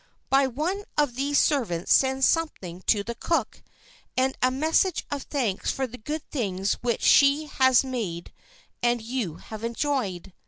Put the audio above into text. By one of these servants send something to the cook, and a message of thanks for the good things which she has made and you have enjoyed.